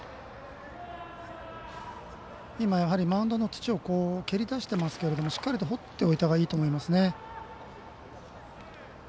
今、やはりマウンドの土を蹴り出してますけどしっかりと掘っておいたほうがいいと思います。